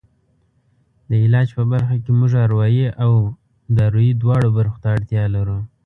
د علاج په برخه کې موږ اروایي او دارویي دواړو برخو ته اړتیا لرو.